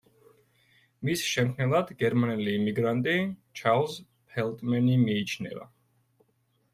მის შემქმნელად გერმანელი იმიგრანტი, ჩარლზ ფელტმენი მიიჩნევა.